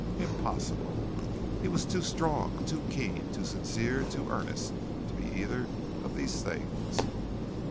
_ Impossible! He was too strong, too keen, too sincere, too earnest, to be either of these things.